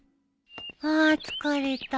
あー疲れた。